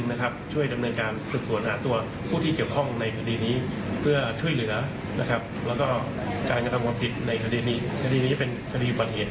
ทางกฎหมายครับ